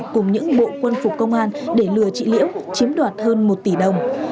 cùng những bộ quân phục công an để lừa chị liễu chiếm đoạt hơn một tỷ đồng